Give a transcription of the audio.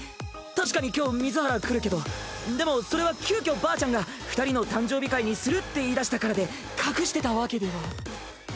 確かに今日水原来るけどでもそれは急遽ばあちゃんが二人の誕生日会にするって言いだしたからで隠してたわけでは。